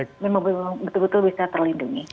kebijakan ini memang betul betul bisa terlindungi